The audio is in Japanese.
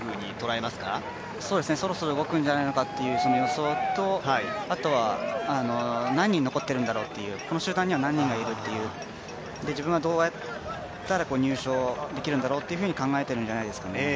そろそろ動くんじゃないかっていう予想とあと何人残っているのだろう、この集団には何人いる自分はどうやったら入賞できるんだろうと考えてるんじゃないですかね。